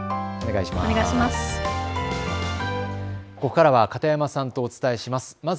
ここからは片山さんとお伝えします。